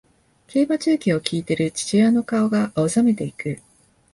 競馬中継を聞いている父親の顔が青ざめていく